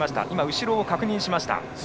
後ろを確認しました。